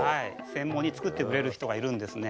専門に作ってくれる人がいるんですね。